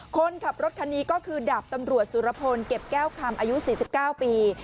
คนขับรถคันนี้ก็คือดาบตำรวจสุรพลเก็บแก้วคำอายุ๔๙ปี